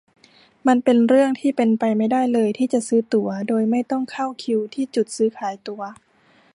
มันเป็นเรื่องที่เป็นไปไม่ได้เลยที่จะซื้อตั๋วโดยไม่ต้องเข้าคิวที่จุดซื้อขายตั๋ว